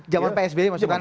zaman psb masuk kan ya